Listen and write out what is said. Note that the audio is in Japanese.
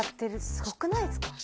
すごくないですか？